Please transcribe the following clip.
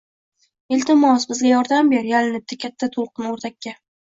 – Iltimos, bizga yordam ber, – yalinibdi Katta to‘lqin o‘rdakka